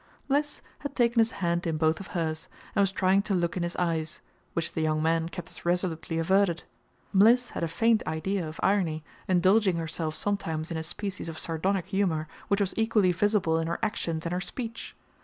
Mliss had taken his hand in both of hers and was trying to look in his eyes, which the young man kept as resolutely averted. Mliss had a faint idea of irony, indulging herself sometimes in a species of sardonic humor, which was equally visible in her actions and her speech.